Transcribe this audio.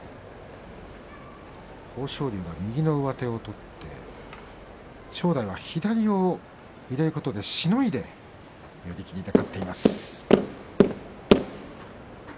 豊昇龍が右の上手を取って正代が左を入れることでしのいで勝っています。